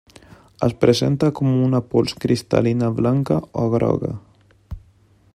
Es presenta com una pols cristal·lina blanca o groga.